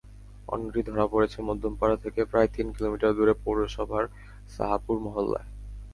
অন্যটি ধরা পড়েছে মধ্যমপাড়া থেকে প্রায় তিন কিলোমিটার দূরে পৌরসভার সাহাপুর মহল্লায়।